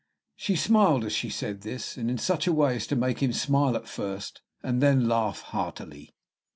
She smiled as she said this, and in such a way as to make him smile at first, and then laugh heartily.